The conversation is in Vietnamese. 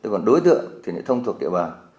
còn đối tượng thì nó thông thuộc địa bàn